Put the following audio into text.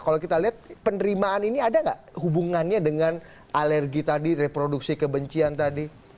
kalau kita lihat penerimaan ini ada nggak hubungannya dengan alergi tadi reproduksi kebencian tadi